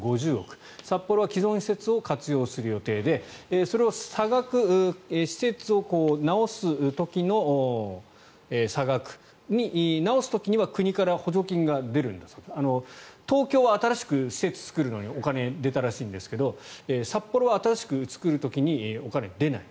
札幌は既存施設を活用する予定でそれを差額、施設を直す時の差額直す時には国から補助金が出るんですが東京は新しく施設を作るのにお金が出たらしいんですが札幌は新しく作る時にお金が出ない。